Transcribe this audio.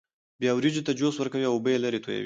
بیا وریجو ته جوش ورکوي او اوبه یې لرې تویوي.